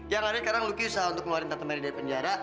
yang ada sekarang lucky usah untuk keluarin tante mer dari penjara